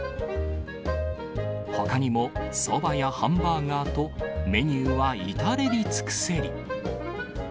ほかにも、ソバやハンバーガーと、メニューは至れり尽くせり。